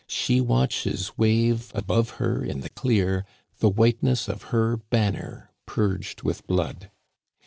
She watches wave above her in the clear The whiteness of her banner purged with blood.